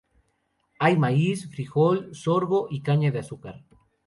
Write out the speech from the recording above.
Hay maíz, frijol, sorgo, y caña de azúcar.